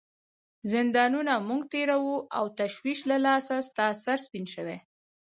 زندانونه موږ تیروو او تشویش له لاسه ستا سر سپین شوی.